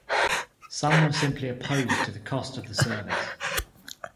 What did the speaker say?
Some were simply opposed to the cost of the service.